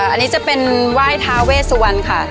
อันนี้จะเป็นว่ายทาเวสวันค่ะ